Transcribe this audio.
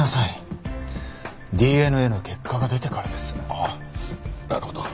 あっなるほど。